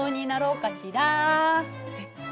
えっ？